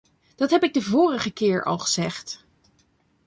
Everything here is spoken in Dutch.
Dat heb ik de vorige keer al gezegd.